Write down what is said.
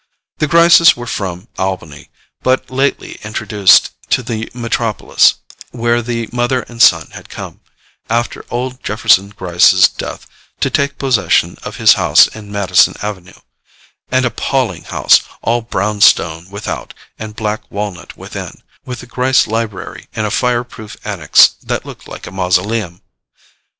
The Gryces were from Albany, and but lately introduced to the metropolis, where the mother and son had come, after old Jefferson Gryce's death, to take possession of his house in Madison Avenue—an appalling house, all brown stone without and black walnut within, with the Gryce library in a fire proof annex that looked like a mausoleum.